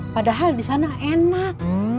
padahal disana enak